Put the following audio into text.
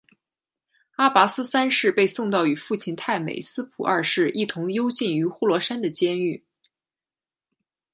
阿拔斯三世被送到与父亲太美斯普二世一同幽禁于呼罗珊的监狱。